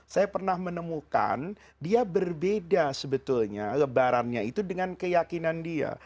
saya pernah menemukan dia berbeda sebetulnya lebarannya itu dengan keyakinan dia